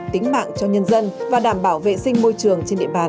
tính mạng cho nhân dân và đảm bảo vệ sinh môi trường trên địa bàn